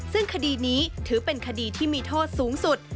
ซึ่งคดีนี้ถือเป็นคดีที่มีโทษสูงสุด